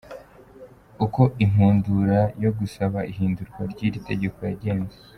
Uko inkundura yo gusaba ihindurwa ry’iri tegeko yagenze.